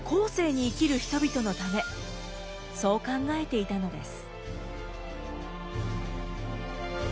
そう考えていたのです。